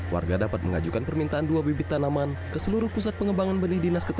warga dapat mengajukan permintaan dua bibit tanaman ke seluruh pusat pengembangan benih dinas kesehatan